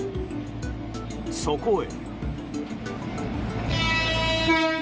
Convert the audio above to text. そこへ。